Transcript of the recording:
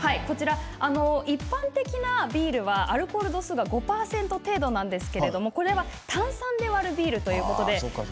一般的なビールはアルコール度数が５％程度なんですがこちらは炭酸で割るビールということです。